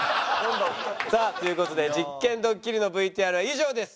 さあという事で実験ドッキリのＶＴＲは以上です。